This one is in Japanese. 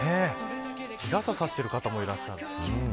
日傘を差している方もいらっしゃる。